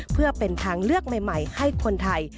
เพื่อเป็นทางเลือกใหม่ให้คนไทย